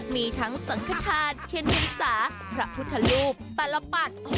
มีทั้งสังฆาตาเคณฑึงสาพระพุทธลูกแตลปัตร